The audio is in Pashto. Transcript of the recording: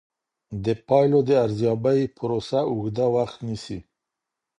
د پایلو د ارزیابۍ پروسه اوږده وخت نیسي.